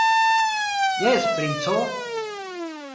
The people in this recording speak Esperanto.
Jes, princo!